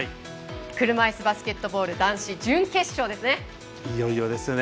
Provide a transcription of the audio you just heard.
車いすバスケットボール男子準決勝ですね。